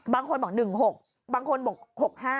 บางคนบอก๑๖บางคนบอก๖๕